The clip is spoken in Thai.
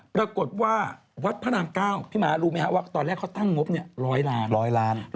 ปรากฏว่าวัดพระราม๙พี่ม้ารู้ไหมครับว่าตอนแรกเขาตั้งงบ๑๐๐ล้าน